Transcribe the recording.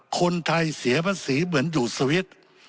คนไทยเสียภาษีเหมือนอยู่สวิตช์